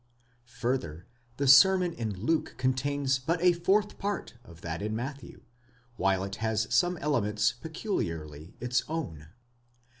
Further, the sermon in Luke contains but a fourth part of that in Matthew, while it has some elements peculiarly its own.